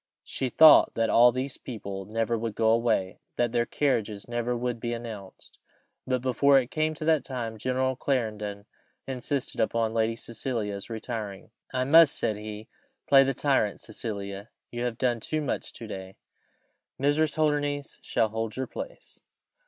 She thought that all these people never would go away that their carriages never would be announced. But before it came to that time, General Clarendon insisted upon Lady Cecilia's retiring. "I must," said he, "play the tyrant, Cecilia; you have done too much to day Mrs. Holdernesse shall hold your place."